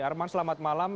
arman selamat malam